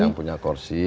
yang punya kursi